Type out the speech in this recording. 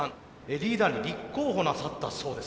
リーダーに立候補なさったそうですね。